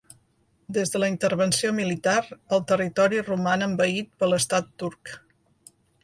Des de la intervenció militar el territori roman envaït per l'estat turc.